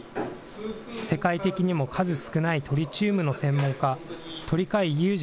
世界的にも数少ないトリチウムの専門家、鳥養祐二